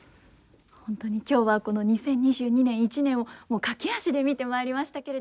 本当に今日はこの２０２２年一年を駆け足で見てまいりましたけれども。